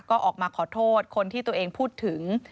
ก็ออกมาขอโทษคนที่ตัวเองพูดถึง